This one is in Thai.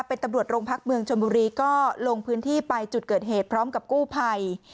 เป็นตำรวจโรงพักเมืองชนบุรีก็ลงพื้นที่ไปจุดเกิดเหตุพร้อมกับกู้ภัย